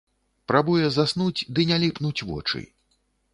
Прабуе заснуць, ды не ліпнуць вочы.